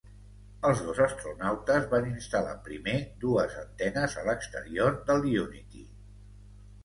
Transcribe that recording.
Els dos astronautes van instal·lar primer dues antenes a l'exterior del "Unity".